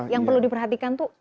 yang perlu diperhatikan itu